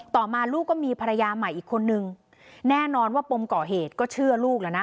ต่อมาลูกก็มีภรรยาใหม่อีกคนนึงแน่นอนว่าปมก่อเหตุก็เชื่อลูกแล้วนะ